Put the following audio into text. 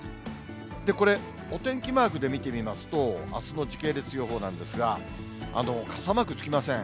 これ、お天気マークで見てみますと、あすの時系列予報なんですが、傘マークつきません。